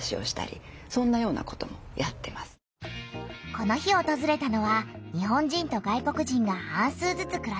この日おとずれたのは日本人と外国人が半数ずつくらす団地。